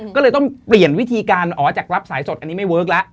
ก็เลยต้องเปลี่ยนวิธีการอ๋อจากรับสายสดอันนี้ไม่เวิร์คแล้ว